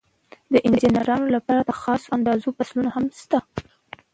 د انجینرانو لپاره د خاصو اندازو پنسلونه هم شته.